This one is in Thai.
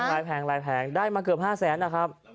ก็เหมาะว่า๒๕๐๐๐บาทนะครับ